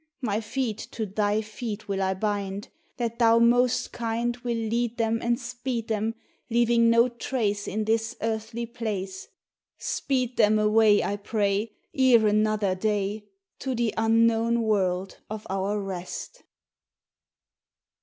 My feet to thy feet will I bind That thou most kind Will lead them and speed them, Leaving no trace in this earthly place — Speed them away I pray Ere another day To the unknown world of our rest."